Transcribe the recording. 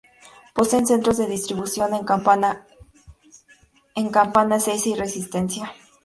Poseen centros de distribución en Campana, Ezeiza y Resistencia.